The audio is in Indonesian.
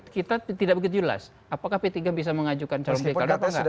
kita tidak begitu jelas apakah p tiga bisa mengajukan calon p tiga atau enggak